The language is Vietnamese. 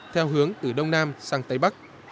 theo hướng từ đông nam sang tây bắc